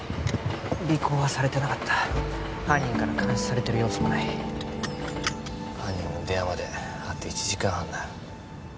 尾行はされてなかった犯人から監視されてる様子もない犯人の電話まであと１時間半だ